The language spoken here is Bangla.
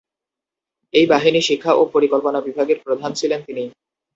এই বাহিনী শিক্ষা ও পরিকল্পনা বিভাগের প্রধান ছিলেন তিনি।